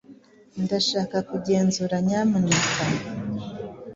Ndashaka kugenzura, nyamuneka.